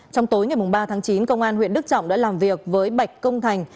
trong tối ngày ba tháng chín công an huyện đức trọng đã làm việc với bạch công thành